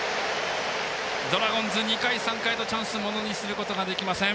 ドラゴンズ、２回、３回とチャンスをものにすることができません。